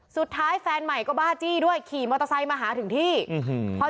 แฟนใหม่ก็บ้าจี้ด้วยขี่มอเตอร์ไซค์มาหาถึงที่อื้อหือ